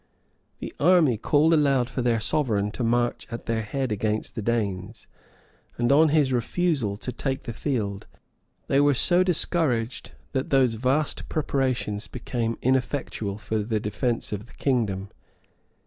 The army called aloud for their sovereign to march at their head against the Danes; and, on his refusal to take the field, they were so discouraged, that those vast preparations became ineffectual for the defence of the kingdom.